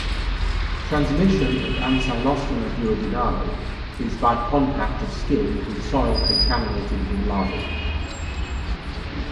Transmission of "Ancylostoma duodenale" is by contact of skin with soil contaminated with larvae.